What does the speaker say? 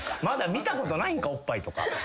まだ見たことないんかおっぱいとか。